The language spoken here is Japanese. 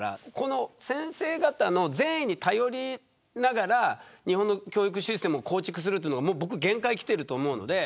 先生方の善意に頼りながら日本の教育システムを構築するのは限界がきていると思います。